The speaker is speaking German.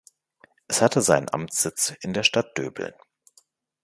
Es hatte seinen Amtssitz in der Stadt Döbeln.